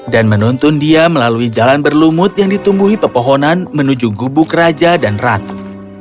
dan menuntun dia melalui jalan berlumut yang ditumbuhi pepohonan menuju gubuk raja dan ratu